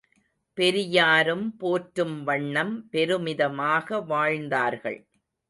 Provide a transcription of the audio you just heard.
பெரியாரும் போற்றும் வண்ணம் பெருமிதமாக வாழ்ந்தார்கள்.